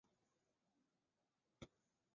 拉瓦勒站位于拉瓦勒市区的东北部。